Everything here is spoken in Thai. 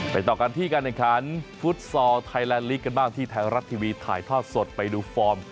ต่อกันที่การแข่งขันฟุตซอลไทยแลนดลีกกันบ้างที่ไทยรัฐทีวีถ่ายทอดสดไปดูฟอร์ม